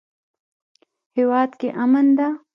هیواد کې امن ده